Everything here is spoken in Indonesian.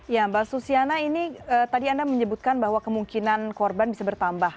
ya mbak susiana ini tadi anda menyebutkan bahwa kemungkinan korban bisa bertambah